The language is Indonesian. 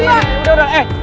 udah udah eh